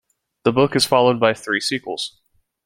The book is followed by three sequels.